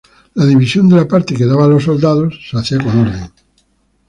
La división de la parte que daba a los soldados se hacía con orden.